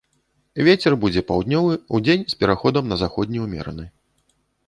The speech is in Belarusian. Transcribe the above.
Вецер будзе паўднёвы, удзень з пераходам на заходні ўмераны.